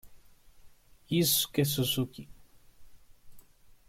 Yusuke Suzuki